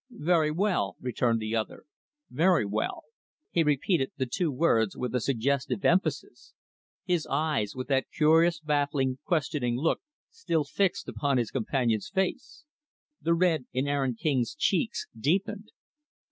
"Very well" returned the other "very well." He repeated the two words with a suggestive emphasis; his eyes with that curious, baffling, questioning look still fixed upon his companion's face. The red in Aaron King's cheeks deepened.